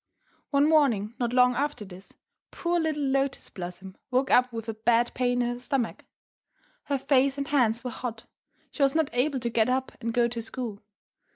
One morning not long after this, poor little Lotus Blossom woke up with a bad pain in her stomach. Her face and hands were hot. She was not able to get up and go to school.